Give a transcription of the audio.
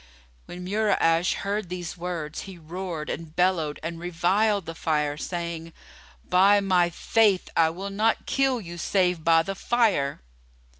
When Mura'ash heard these words, he roared and bellowed and reviled the Fire, saying, "By my faith, I will not kill you save by the fire!"